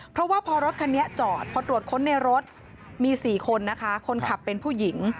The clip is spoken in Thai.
เพราะว่าพอรถคันนี้จอดพอตรวจค้นในรถมี๔คนนะคะคนขับเป็นผู้หญิง